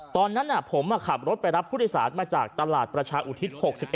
ตอนนั้นผมขับรถไปรับผู้โดยสารมาจากตลาดประชาอุทิศ๖๑